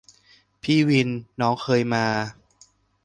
พี่วิน : น้องเคยมา